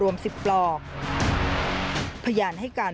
วันที่สุด